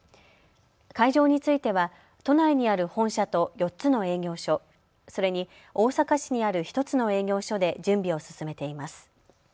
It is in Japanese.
会場については都内にある本社と４つの営業所、それに大阪市にある１つの営業所で準備を進めています。